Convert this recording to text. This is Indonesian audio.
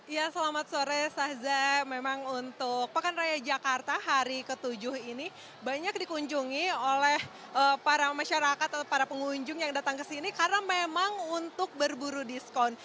ya selamat sore sahzai memang untuk pekaraya jakarta hari ketujuh ini banyak dikunjungi oleh para masyarakat atau para pengunjung yang datang kesini karena memang untuk berburu diskon